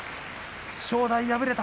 正代敗れた。